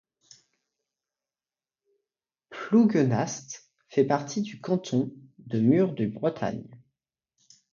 Plouguenast fait partie du canton de Mur de Bretagne.